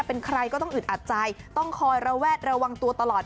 เป็นใครก็ต้องอึดอัดใจต้องคอยระแวดระวังตัวตลอด